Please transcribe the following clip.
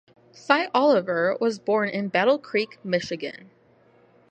Sy Oliver was born in Battle Creek, Michigan.